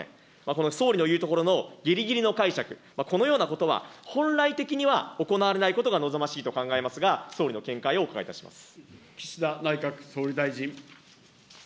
この総理の言うところのぎりぎりの解釈、このようなことは、本来的には行われないことが望ましいと考えますが、総理の見解をお伺岸田内閣総理大臣。